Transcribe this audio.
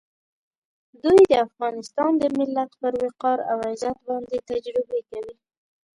دوی د افغانستان د ملت پر وقار او عزت باندې تجربې کوي.